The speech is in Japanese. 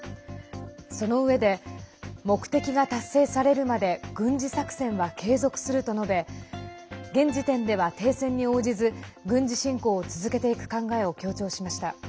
そのうえで目的が達成されるまで軍事作戦は継続すると述べ現時点では停戦に応じず軍事侵攻を続けていく考えを強調しました。